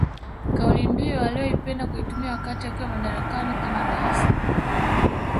Kaulimbiu aliyopenda kuitumia wakati akiwa madarakani kama raisi